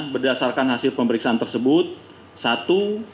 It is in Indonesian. berdasarkan hasil pemeriksaan tersebut